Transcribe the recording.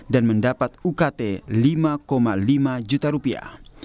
dan mendapat ukt lima lima juta rupiah